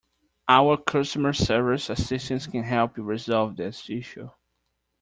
Our customer service assistants can help you resolve this issue.